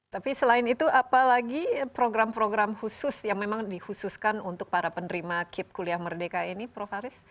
tapi selain itu apalagi program program khusus yang memang dikhususkan untuk para penerima kip kuliah merdeka ini prof haris